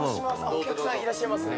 お客さんいらっしゃいますね。